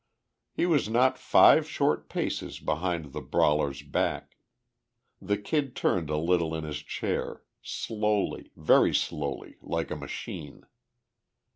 He was not five short paces behind the brawler's back. The Kid turned a little in his chair, slowly, very slowly like a machine.